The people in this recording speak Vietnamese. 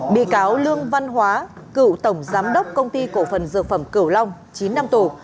bị cáo lương văn hóa cựu tổng giám đốc công ty cổ phần dược phẩm cửu long chín năm tù